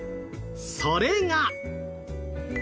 それが。